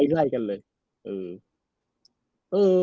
ไล่กันเลย